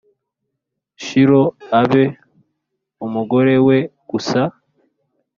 Shilo abe umugore we gusa